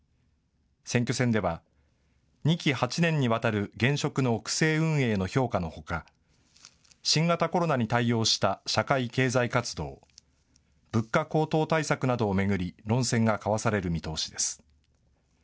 選挙戦では２期８年にわたる現職の区政運営の評価のほか新型コロナに対応した社会・経済活動、物価高騰対策などを巡り論戦が交わされる見通しです。